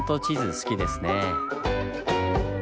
好きですねぇ。